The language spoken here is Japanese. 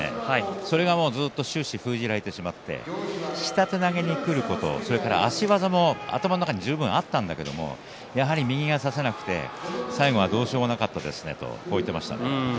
それが終始、封じられてしまって下手投げにくることそれから足技も頭の中に十分あったんだけれどもやはり右が差せなくて最後はどうしようもなかったですねと言っていました。